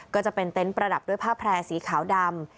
ก็จะเป็นเต็นต์ประดับด้วยผ้าแพร่สีขาวดำ